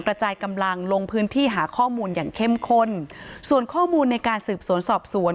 กระจายกำลังลงพื้นที่หาข้อมูลอย่างเข้มข้นส่วนข้อมูลในการสืบสวนสอบสวน